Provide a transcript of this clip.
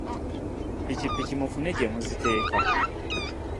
Ppikipiki mufune gye muziteeka.